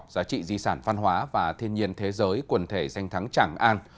giá trị di sản văn hóa và thiên nhiên thế giới quần thể danh thắng tràng an